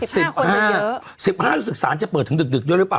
สิบห้าสิบห้าสิบห้าศึกษาจะเปิดถึงดึกดึกด้วยหรือเปล่า